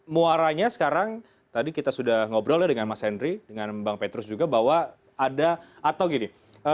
muaranya sekarang tadi kita sudah ngobrol ya dengan mas henry dengan bang petrus juga bahwa ada atau gini